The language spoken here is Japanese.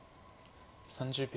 ３０秒。